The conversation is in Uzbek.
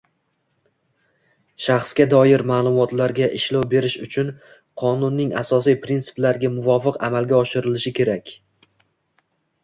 Shaxsga doir ma’lumotlarga ishlov berish ushbu Qonunning asosiy prinsiplariga muvofiq amalga oshirilishi kerak.